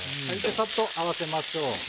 サッと合わせましょう。